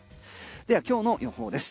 では今日の予報です。